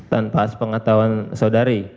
kan pas pengetahuan saudari